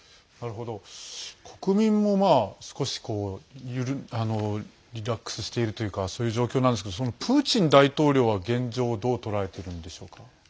国民も少しリラックスしているというかそういう状況なんですけどプーチン大統領は、現状をどう捉えているんでしょうか。